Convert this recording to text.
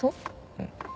うん。